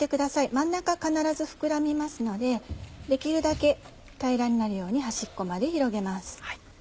真ん中必ず膨らみますのでできるだけ平らになるように端っこまで広げます。